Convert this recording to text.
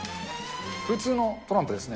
普通のトランプですね。